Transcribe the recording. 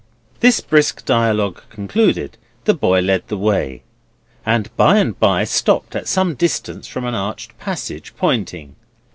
This brisk dialogue concluded, the boy led the way, and by and by stopped at some distance from an arched passage, pointing.